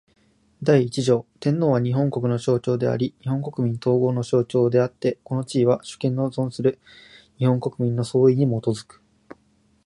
第一条天皇は、日本国の象徴であり日本国民統合の象徴であつて、この地位は、主権の存する日本国民の総意に基く。